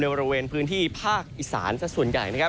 บริเวณพื้นที่ภาคอีสานสักส่วนใหญ่นะครับ